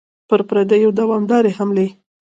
پر پردیو دوامدارې حملې.